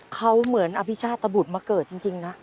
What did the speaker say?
เขาเหมือนอภิชาตบุตรมาเกิดจริงนะ